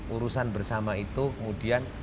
urusan bersama itu kemudian